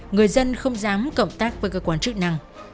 người dân không dám cộng tác với cơ quan chức năng